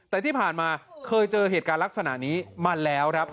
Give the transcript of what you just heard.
แต่ที่ผ่านมาเคยเจอเหตุการณ์ลักษณะนี้มาแล้วครับ